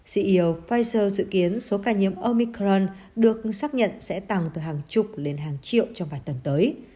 ceo pfizer dự kiến số ca nhiễm omicron được xác nhận sẽ tăng từ hàng chục lên hàng triệu trong vài tuần tới